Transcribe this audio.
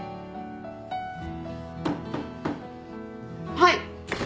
・はい。